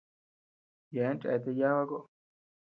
Yeabean chéatea yába kó.